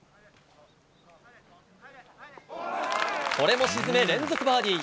これも沈め連続バーディー。